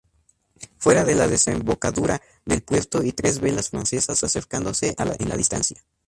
Fuera de la desembocadura del puerto y tres velas francesas acercándose en la distancia.